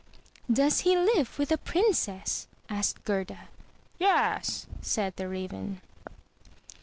"Does he live with a princess?" asked Gerda. "Yes," said the Raven.